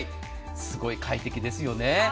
すごい快適ですよね。